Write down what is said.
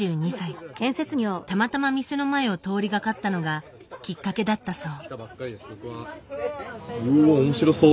たまたま店の前を通りがかったのがきっかけだったそう。